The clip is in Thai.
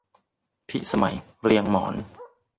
พิสมัยเรียงหมอน